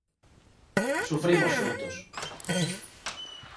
Sufrimos xuntos.